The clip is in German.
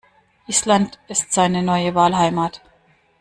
Island ist seine neue Wahlheimat.